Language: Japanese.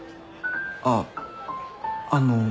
あっあの。